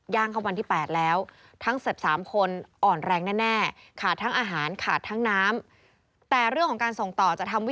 ย่างเข้าวันที่๘แล้ว